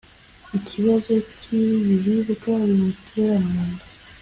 ikibazo cy ibiribwa bimutera munda